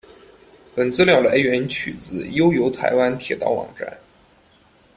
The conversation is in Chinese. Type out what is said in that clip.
本资料来源取自悠游台湾铁道网站。